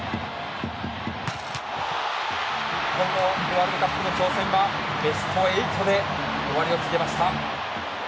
日本のワールドカップの挑戦はベスト８で終わりを告げました。